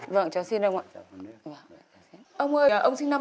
vâng cháu xin ông ạ